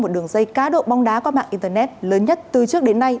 một đường dây cá độ bóng đá qua mạng internet lớn nhất từ trước đến nay